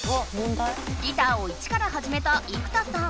ギターを一からはじめた生田さん。